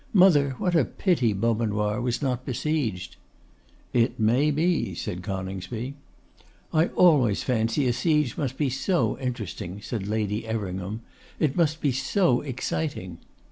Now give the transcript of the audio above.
Mother, what a pity Beaumanoir was not besieged!' 'It may be,' said Coningsby. 'I always fancy a siege must be so interesting,' said Lady Everingham. 'It must be so exciting.